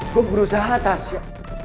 gue berusaha tasya